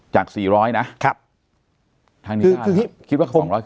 จาก๔๐๐นะค่ะคิดว่า๒๐๐ขึ้นไหม